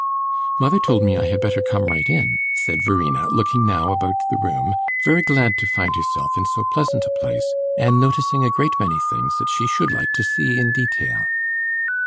"Mother told me I had better come right in," said Verena, looking now about the room, very glad to find herself in so pleasant a place, and noticing a great many things that she should like to see in detail.